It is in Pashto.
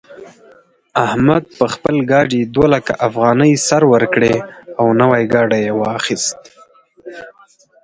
احمد په خپل ګاډي دوه لکه افغانۍ سر ورکړې او نوی ګاډی يې واخيست.